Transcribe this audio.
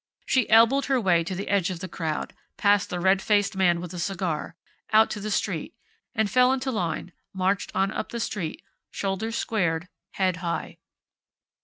She elbowed her way to the edge of the crowd, past the red faced man with the cigar, out to the street, and fell into line, and marched on up the street, shoulders squared, head high.